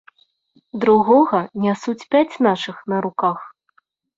Другога нясуць пяць нашых на руках.